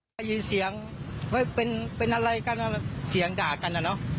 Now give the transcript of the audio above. ได้ยินเสียงเฮ้ยเป็นเป็นอะไรกันเสียงด่ากันอ่ะเนอะครับ